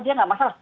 dia tidak masalah